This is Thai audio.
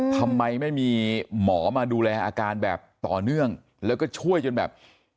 ทำไมไม่มีหมอมาดูแลอาการแบบต่อเนื่องแล้วก็ช่วยจนแบบ